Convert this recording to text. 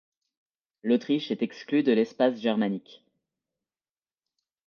L'Autriche est exclue de l'espace germanique.